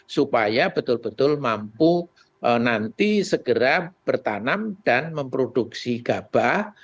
supaya betul betul mampu nanti segera bertanam dan memproduksi gabah